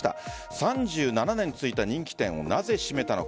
３７年続いた人気店をなぜ閉めたのか。